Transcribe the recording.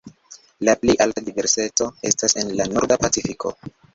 La plej alta diverseco estas en la Norda Pacifiko.